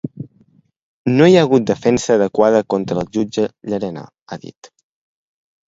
No hi ha hagut defensa adequada contra el jutge Llarena, ha dit.